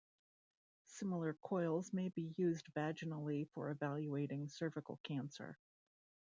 Similar coils may be used vaginally for evaluating cervical cancer.